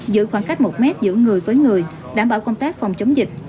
giữ khoảng cách một mét giữa người với người đảm bảo công tác phòng chống dịch